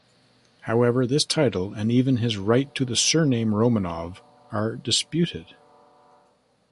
However this title, and even his right to the surname Romanov are disputed.